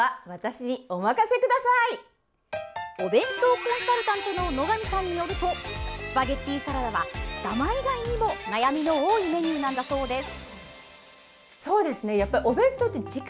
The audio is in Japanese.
お弁当コンサルタントの野上さんによるとスパゲッティサラダはダマ以外にも悩みの多いメニューなんだそうです。